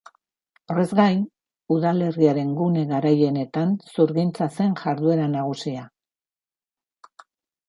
Horrez gain, udalerriaren gune garaienetan zurgintza zen jarduera nagusia.